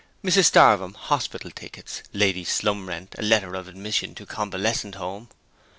Mrs Starvem, Hospital tickets. Lady Slumrent, letter of admission to Convalescent Home.